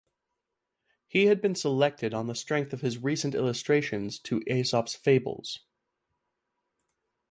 He had been selected on the strength of his recent illustrations to Aesop's "Fables".